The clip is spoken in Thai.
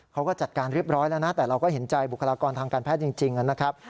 เขาก็จัดการเรียบร้อยแล้วนะแต่เราก็เห็นใจบุคลากรทางการแพทย์จริงนะครับ